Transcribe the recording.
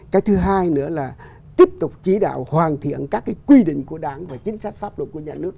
cái thứ hai nữa là tiếp tục chỉ đạo hoàn thiện các cái quy định của đảng và chính sách pháp luật của nhà nước